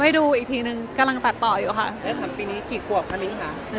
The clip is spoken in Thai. ดูอีกทีนึงกำลังตัดต่ออยู่ค่ะปีนี้กี่ขวบคะมิ้นค่ะ